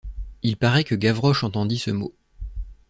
Il paraît que Gavroche entendit ce mot.